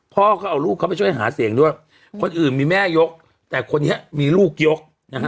พ่อก็เอาลูกเขาไปช่วยหาเสียงด้วยคนอื่นมีแม่ยกแต่คนนี้มีลูกยกนะฮะ